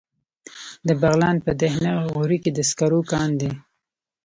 د بغلان په دهنه غوري کې د سکرو کان دی.